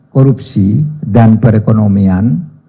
korupsi dan perekonomian